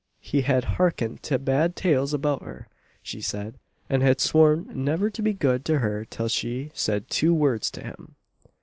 He had harkened to bad tales about her, she said, and had sworn never to be good to her till she said "two words" to him.